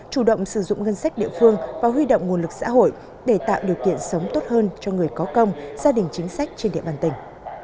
chủ động sử dụng ngân sách địa phương và huy động nguồn lực xã hội để tạo điều kiện sống tốt hơn cho người có công gia đình chính sách trên địa bàn tỉnh